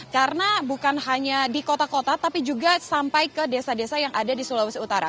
karena bukan hanya di kota kota tapi juga sampai ke desa desa yang ada di sulawesi utara